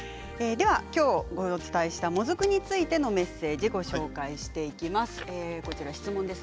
きょうお伝えしたもずくについてのメッセージをご紹介します。